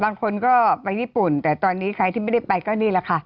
บางคนก็ไปญี่ปุ่นแต่ตอนนี้ใครที่ไม่ได้ไปก็นี่แหละค่ะ